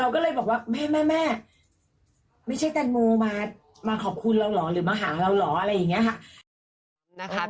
คือมันก็เนี่ยมันปั๊บอย่างนี้เลยนะคะ